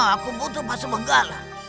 aku butuh pas begala